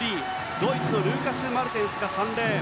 ドイツのルーカス・マルテンスが３レーン。